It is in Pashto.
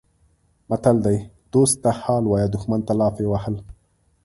متل دی: دوست ته حال ویل دښمن ته لافې وهل